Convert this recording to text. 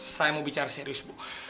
saya mau bicara serius bu